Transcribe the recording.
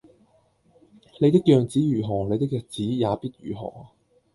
你的樣子如何，你的日子也必如何